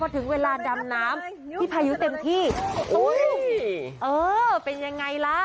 ถึงเวลาดำน้ำพี่พายุเต็มที่อุ้ยเออเป็นยังไงล่ะ